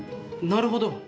なるほど。